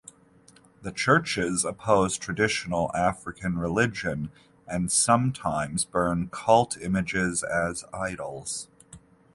The churches oppose traditional African religion, and sometimes burn cult images as "idols".